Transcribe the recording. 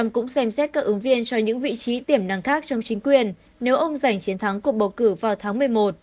cho những vị trí tiềm năng khác trong chính quyền nếu ông giành chiến thắng cuộc bầu cử vào tháng một mươi một